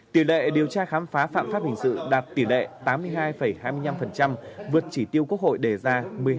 tỉ lệ điều tra khám phá phạm pháp hình sự đạt tỉ lệ tám mươi hai hai mươi năm vượt chỉ tiêu quốc hội đề ra một mươi hai hai mươi năm